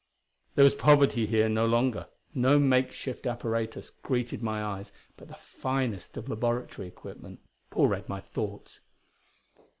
There was poverty here no longer; no makeshift apparatus greeted my eyes, but the finest of laboratory equipment. Paul read my thoughts.